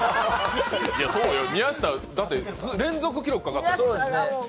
宮下、だって連続記録かかってるよ。